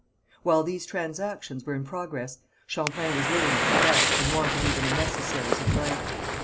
While these transactions were in progress Champlain was living at Quebec in want of even the necessaries of life.